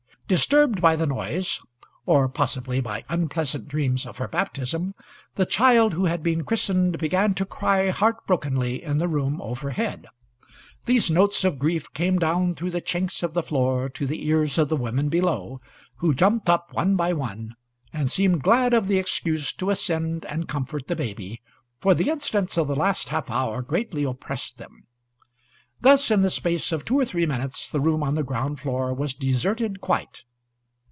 Disturbed by the noise, or possibly by unpleasant dreams of her baptism, the child who had been christened began to cry heartbrokenly in the room overhead. These notes of grief came down through the chinks of the floor to the ears of the women below, who jumped up, one by one, and seemed glad of the excuse to ascend and comfort the baby; for the incidents of the last half hour greatly oppressed them. Thus in the space of two or three minutes the room on the ground floor was deserted quite.